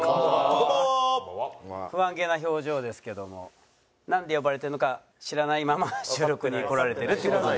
不安げな表情ですけどもなんで呼ばれてるのか知らないまま収録に来られてるっていう事ですよね。